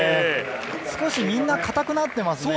少しみんな、固くなっていますね。